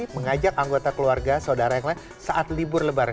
mengajak anggota keluarga saudara yang lain saat libur lebaran